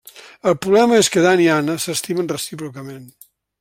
El problema és que Dan i Anna s'estimen recíprocament.